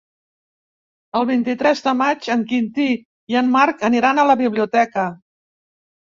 El vint-i-tres de maig en Quintí i en Marc aniran a la biblioteca.